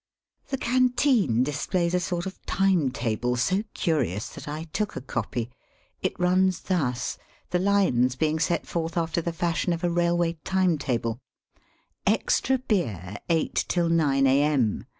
The canteen displays a sort of time table, so curious that I took a copy. It runs thus, the lines being set forth after the fashion of a railway time table: *^ Extra beer, 8 till 9 a.m.